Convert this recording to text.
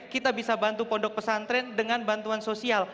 kita bisa bantu pondok pesantren dengan bantuan sosial